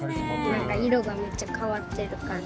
色がめっちゃ変わってる感じ。